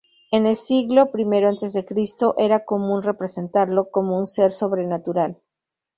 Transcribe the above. En el siglo I a.C., era común representarlo como un ser sobrenatural.